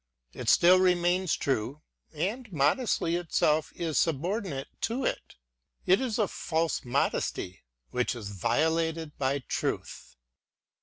It still remains true ; and modesty itself is subordinate to it: — it is a false modesty which is violated by truth.